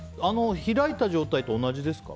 開いた状態と同じですか。